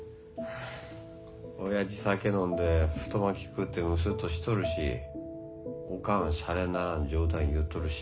おやじ酒飲んで太巻き食うてムスッとしとるしおかんシャレにならん冗談言うとるし。